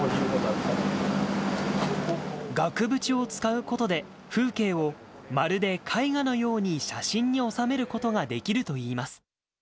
額縁を使うことで、風景をまるで絵画のように写真に収めることができるといいます。